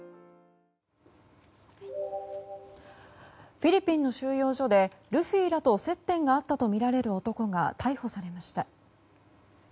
フィリピンの収容所でルフィらと接点があったとみられる男が逮捕されました。